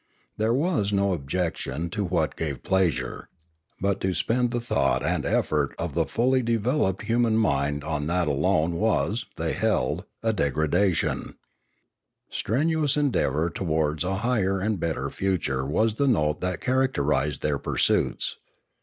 There was no objection to what gave pleasure; but to spend the thought and effort of the fully developed human mind on that alone was, they held, a degradation; Strenuous endeavour towards a higher and better future was the note that characterised their pursuits.